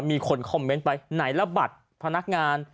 มีคนคอมเมนต์ไปไหนละบัตรพนักงาน